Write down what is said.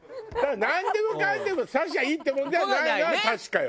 なんでもかんでも刺せばいいっていうものではないのは確かよ